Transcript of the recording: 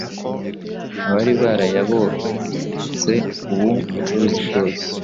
Abari barayobotse ubu bucuruzi bwose,